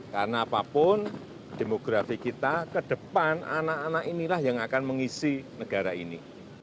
karena apapun demografi kita ke depan anak anak inilah yang akan mengisi negara ini